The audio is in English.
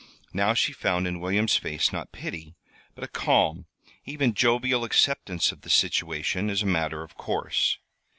Now she found in William's face, not pity, but a calm, even jovial, acceptance of the situation as a matter of course.